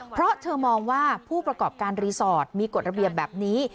เพราะเธอมองว่าผู้ประกอบการรีสอร์ทมีกฎระเบียบแบบนี้